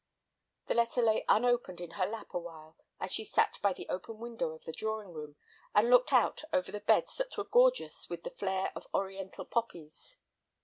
The letter lay unopened in her lap awhile, as she sat by the open window of the drawing room and looked out over the beds that were gorgeous with the flare of Oriental poppies.